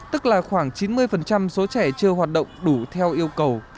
tức là khoảng chín mươi số trẻ chưa hoạt động đủ theo yêu cầu